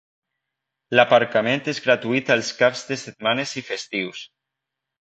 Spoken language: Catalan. L'aparcament és gratuït els caps de setmanes i festius.